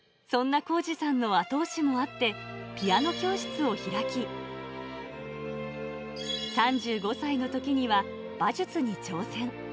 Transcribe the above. そんなこうじさんの後押しもあって、ピアノ教室を開き、３５歳のときには、馬術に挑戦。